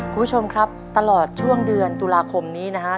คุณผู้ชมครับตลอดช่วงเดือนตุลาคมนี้นะฮะ